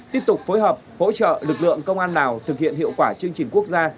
tiếp tục phối hợp hỗ trợ lực lượng công an lào thực hiện hiệu quả chương trình quốc gia